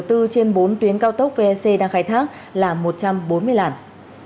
cầu sẽ ninh bình nội bài lào cai đà nẵng quảng ngãi và tp hcm long thành giàu dây